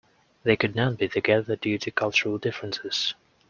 They could not be together due to cultural differences.